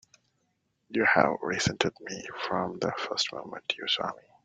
You've resented me from the first moment you saw me!